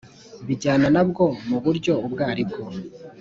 bijyana na byo mu buryo ubwo ari bwo